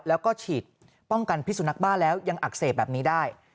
แล้วก็ฉีดป้องกันพิสุนักบ้าแล้วยังอักเสบแบบนี้ได้